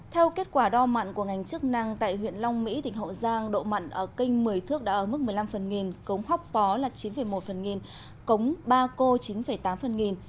theo kết quả đo mặn của ngành chức năng tại huyện long mỹ tỉnh hậu giang độ mặn ở kênh một mươi thước đã ở mức một mươi năm phần nghìn cống hóc bó là chín một phần nghìn cống ba cô chín tám phần nghìn